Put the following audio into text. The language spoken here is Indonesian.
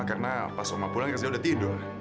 karena pas oma pulang riza udah tidur